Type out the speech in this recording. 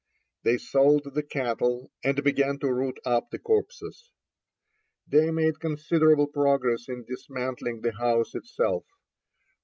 They sold the cattle, and began to root up the copses. They made considerable progress in dismantling the house itself.